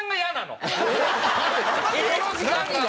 この時間が。